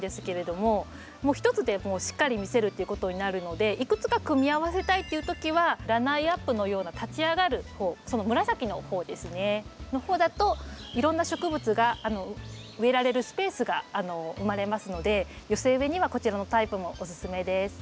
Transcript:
もう一つでしっかり見せるっていうことになるのでいくつか組み合わせたいっていう時はラナイアップのような立ち上がる方その紫の方ですねの方だといろんな植物が植えられるスペースが生まれますので寄せ植えにはこちらのタイプもおすすめです。